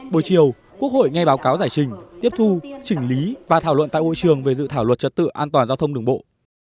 buổi chiều quốc hội ngay báo cáo giải trình tiếp thu chỉnh lý và thảo luận tại hội trường về dự thảo luật trật tự an toàn giao thông đường bộ